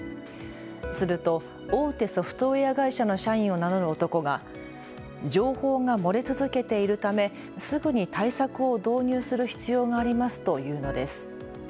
すると大手ソフトウエア会社の社員を名乗る男が情報が漏れ続けているためすぐに対策を導入する必要がありますと言うのです。